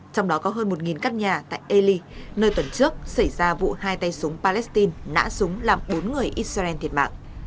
trong đó có hơn một căn nhà tại ely nơi tuần trước xảy ra vụ hai tay súng palestine nã súng làm bốn người israel thiệt mạng